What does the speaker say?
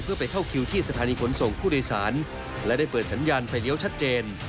เพื่อไปเข้าคิวที่สถานีขนส่งผู้โดยสารและได้เปิดสัญญาณไฟเลี้ยวชัดเจน